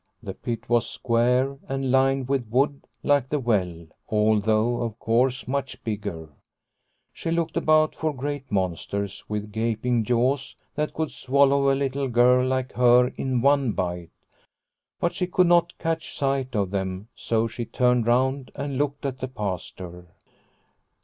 The pit was square and lined with wood like the well, although, of course, much bigger. She looked about for great monsters with gaping jaws that could swallow a little girl like her in one bite. But she could not catch sight of them, so she turned round and looked at the Pastor.